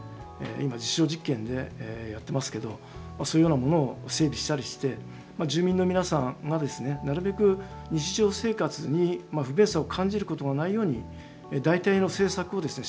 今実証実験でやってますけどそういうようなものを整備したりして住民の皆さんがですねなるべく日常生活に不便さを感じることがないように代替の政策をですね